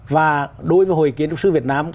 và đối với hội kiến trúc sư việt nam